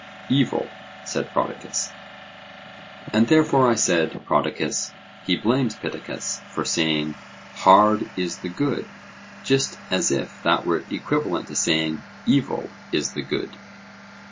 Evil, said Prodicus. And therefore, I said, Prodicus, he blames Pittacus for saying, 'Hard is the good,' just as if that were equivalent to saying, Evil is the good.